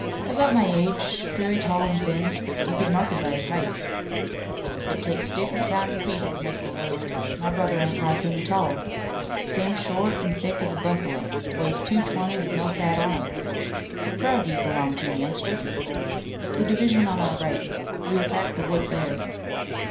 "About my age. Very tall and thin. You could mark him by his height." "It takes different kinds of people to make the world. My brother ain't like him a tall. Sam's short, an' thick as a buffalo. Weighs two twenty with no fat on him. What crowd do you belong to, youngster?" "The division on our right. We attacked the wood there."